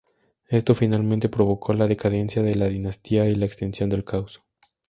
Esto finalmente provocó la decadencia de la dinastía y la extensión del caos.